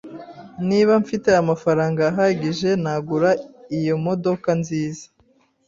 Niba mfite amafaranga ahagije, nagura iyo modoka nziza.